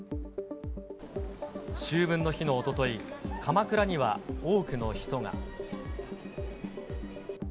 秋分の日のおととい、鎌倉には多くの人が。